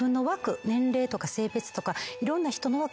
年齢とか性別とか。